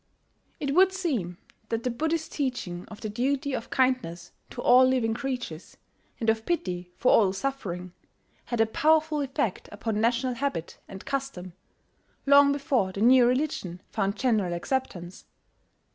It would seem that the Buddhist teaching of the duty of kindness to all living creatures, and of pity for all suffering, had a powerful effect upon national habit and custom, long before the new religion found general acceptance.